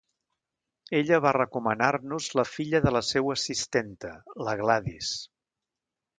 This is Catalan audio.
Ella va recomanar-nos la filla de la seua assistenta, la Gladys.